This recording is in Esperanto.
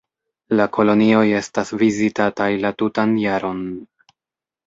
La kolonioj estas vizitataj la tutan jaron.